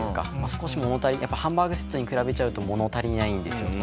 少し物足りないハンバーグセットに比べちゃうと物足りないんですよ。